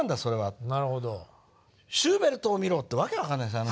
「シューベルトを見ろ」って訳分かんないですよ